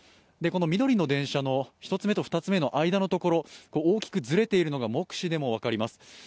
この緑の電車の１つ目と２つ目の間のところ大きくずれているのが目視でも分かります。